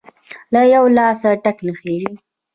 له يوه لاسه ټک نه خیژي!.